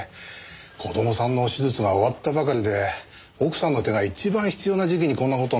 子供さんの手術が終わったばかりで奥さんの手が一番必要な時期にこんな事になって。